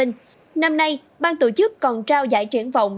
năm nay bang tổ chức còn trao giải triển vọng